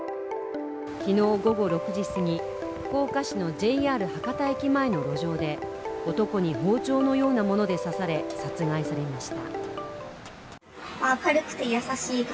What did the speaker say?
昨日午後６時すぎ、福岡市のＪＲ博多駅前の路上で男に包丁のようなもので刺され殺害されました。